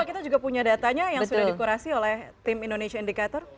kita juga punya datanya yang sudah dikurasi oleh tim indonesia indicator